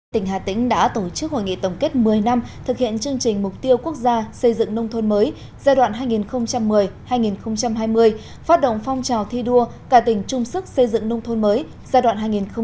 tỉnh hà tĩnh đã tổ chức hội nghị tổng kết một mươi năm thực hiện chương trình mục tiêu quốc gia xây dựng nông thôn mới giai đoạn hai nghìn một mươi hai nghìn hai mươi phát động phong trào thi đua cả tỉnh trung sức xây dựng nông thôn mới giai đoạn hai nghìn hai mươi một hai nghìn hai mươi năm